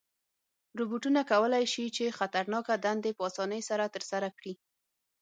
روبوټونه کولی شي چې خطرناکه دندې په آسانۍ سره ترسره کړي.